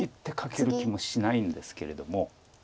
１手かける気もしないんですけれども。